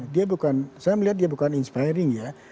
dia bukan saya melihat dia bukan inspiring ya